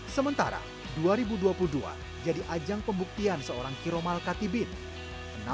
sementara dua ribu dua puluh dua jadi ajang pembuktian seorang kiromal khatibin